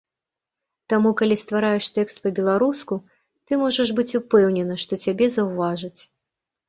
Таму калі ствараеш тэкст па-беларуску, ты можаш быць упэўнены, што цябе заўважаць.